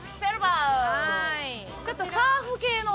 ちょっとサーフ系の。